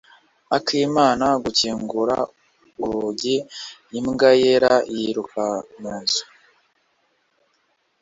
Akimara gukingura urugi, imbwa yera yiruka mu nzu.